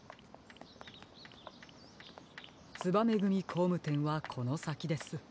つばめぐみこうむてんはこのさきです。